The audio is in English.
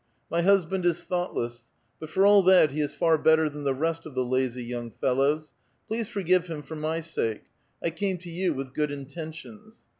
My husband is thoughtless ; but for all that, he is far better than the rest of the lazy young fellows. Please forgive him for my sake ; I came to you with good intentions.